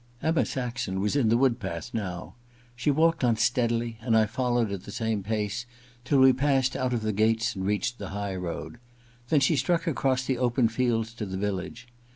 Emma Saxon was in the wood path now. She walked on steadily, and I followed at the same pace till we passed out of the gates and reached the highroad. Then she struck across the open fields to the village.